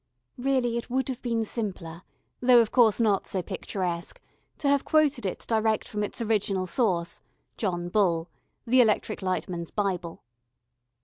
Really it would have been simpler, though of course not so picturesque, to have quoted it direct from its original source, John Bull, the electric light man's Bible.